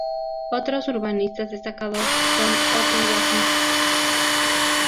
Otros urbanistas destacados son Otto Wagner.